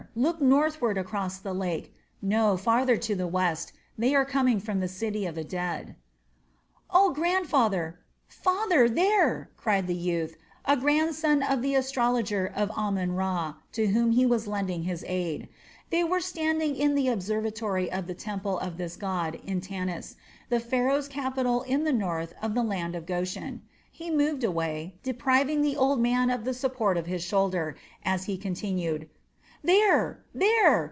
Look northward across the lake. No, farther to the west. They are coming from the city of the dead." "Oh, grandfather! Father there!" cried the youth, a grandson of the astrologer of Amon Ra, to whom he was lending his aid. They were standing in the observatory of the temple of this god in Tanis, the Pharaoh's capital in the north of the land of Goshen. He moved away, depriving the old man of the support of his shoulder, as he continued: "There, there!